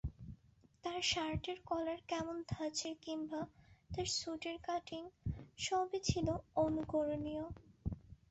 তাঁর শার্টের কলার কেমন ধাঁচের কিংবা তাঁর স্যুটের কাটিং—সবই ছিল অনুকরণীয়।